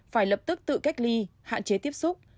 phải lập tức tự cách ly hạn chế tiếp xúc